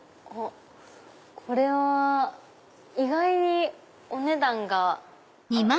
これは意外にお値段が。